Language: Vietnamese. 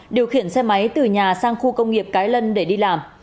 điều khiển xe máy từ nhà sang khu công nghiệp cái lân để đi làm